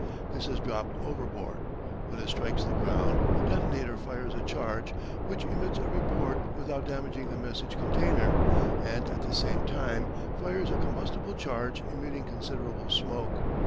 This is dropped overboard. When it strikes the ground the detonator fires a charge which emits a report without damaging the message container, and at the same time fires a combustible charge emitting considerable smoke.